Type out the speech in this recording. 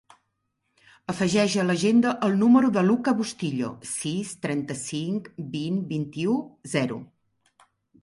Afegeix a l'agenda el número del Luka Bustillo: sis, trenta-cinc, vint, vint-i-u, zero.